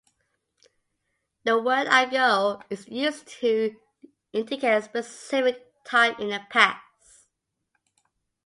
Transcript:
The word "ago" is used to indicate a specific time in the past.